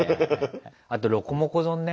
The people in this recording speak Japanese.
あとロコモコ丼ね。